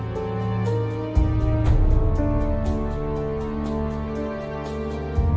โปรดติดตามต่อไป